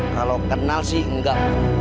kalau kenal sih enggak